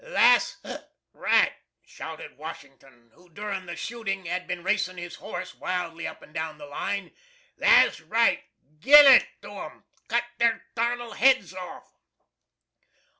"Thaz (hic) right," shouted Washington, who during the shooting had been racing his horse wildly up and down the line, "thaz right! GIN it to 'em! Cut their tarnal heads off!"